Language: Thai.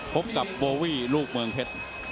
พบกับโบวี่ลูกเมืองเพชร